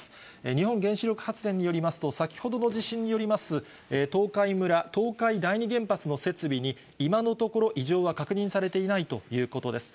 日本原子力発電によりますと、先ほどの地震によります東海村、東海第二原発の設備に今のところ、異常は確認されていないということです。